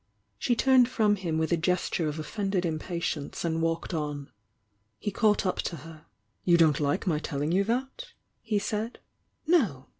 «... She turned from him with a gesture of offended impatience and walked on. He caught up to her. "You don't like my telling you that?" he said. "No.